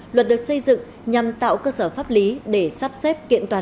luật được xây dựng nhằm tạo cơ sở pháp lý để sắp xếp kiện toàn